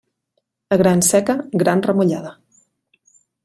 A gran seca, gran remullada.